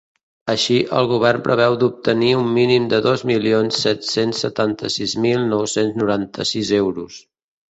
Així, el govern preveu d’obtenir un mínim de dos milions set-cents setanta-sis mil nou-cents noranta-sis euros.